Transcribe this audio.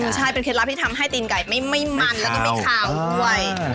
ใช่เป็นเคล็ดลับที่ทำให้ตีนไก่ไม่มันแล้วก็ไม่ขาวด้วย